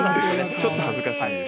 ちょっと恥ずかしいです。